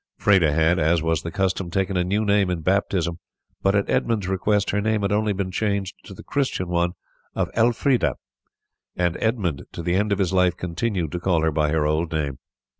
Freda had, as was the custom, taken a new name in baptism, but at Edmund's request her name had only been changed to the Christian one of Elfrida, and Edmund to the end of his life continued to call her by her old name.